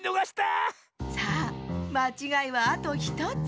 さあまちがいはあと１つ。